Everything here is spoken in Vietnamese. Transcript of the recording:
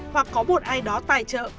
hoặc có một ai đó tài trợ